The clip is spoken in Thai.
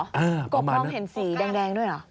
อ๋อให้เห็นสีเหรอกบพร้อมเห็นสีแดงด้วยเหรอ